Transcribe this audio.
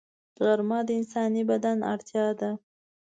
غرمه د انساني بدن اړتیا ده